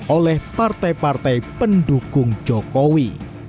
oleh partai partai pendukung jokowi